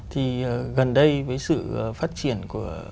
thì gần đây với sự phát triển của